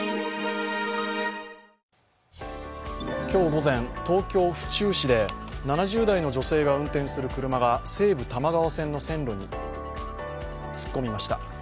今日午前、東京・府中市で７０代の女性が運転する車が西武多摩川線の線路に突っ込みました。